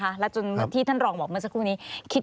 ข่าวแล้วนะคะแล้วจนที่ท่านรองบอกเมื่อสักครู่นี้